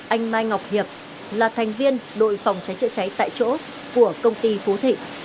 anh mai ngọc hiệp là thành viên đội phòng cháy chữa cháy tại chỗ của công ty phú thị